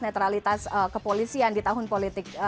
netralitas kepolisian di tahun politik